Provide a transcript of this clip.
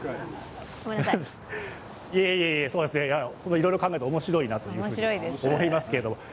いろいろ考えると面白いなと思いますけど。